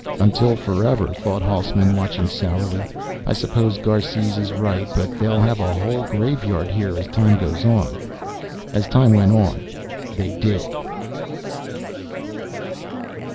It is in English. "Until forever," thought Hausman, watching sourly. "I suppose Garces is right. But they'll have a whole graveyard here, as time goes on." As time went on, they did.